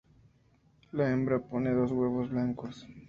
La hembra pone dos huevos blancos.